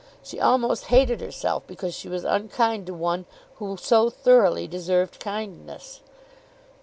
She almost hated herself because she was unkind to one who so thoroughly deserved kindness.